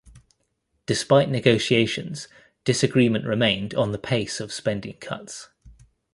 Despite negotiations disagreement remained on the pace of spending cuts.